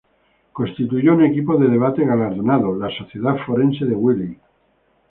Constituyó un equipo de debate galardonado, la Sociedad Forense de Wiley.